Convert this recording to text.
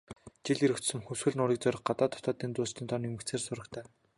Жил ирэх тусам Хөвсгөл нуурыг зорих гадаад, дотоод жуулчдын тоо нэмэгдсэн сурагтай.